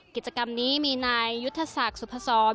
กิจกรรมนี้มีนายยุทธศักดิ์สุพศร